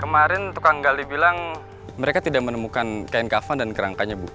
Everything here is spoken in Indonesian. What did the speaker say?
kemarin tukang gali bilang mereka tidak menemukan kain kafan dan kerangkanya bu